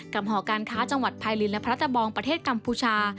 หอการค้าจังหวัดพายลินและพระตะบองประเทศกัมพูชา